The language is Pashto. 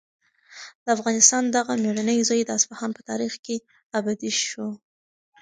د افغانستان دغه مېړنی زوی د اصفهان په تاریخ کې ابدي شو.